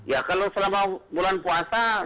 ya kalau selama bulan puasa